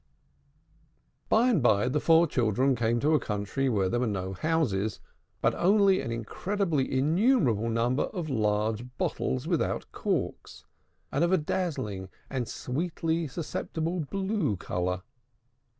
By and by the four children came to a country where there were no houses, but only an incredibly innumerable number of large bottles without corks, and of a dazzling and sweetly susceptible blue color.